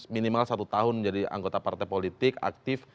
minimal satu tahun menjadi anggota partai politik aktif